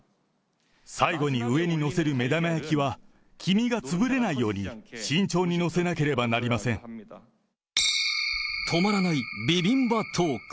最後に上に載せる目玉焼きは、黄身が潰れないように、止まらないビビンバトーク。